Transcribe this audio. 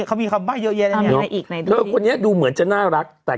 เกือบละเกือบละใกล้ละ